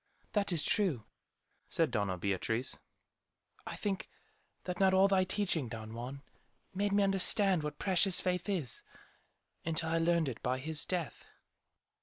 "That is true," said Doña Beatriz. "I think that not all thy teaching, Don Juan, made me understand what 'precious faith' is, until I learned it by his death."